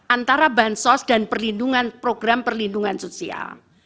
antara bansos dan perlindungan program perlindungan sosial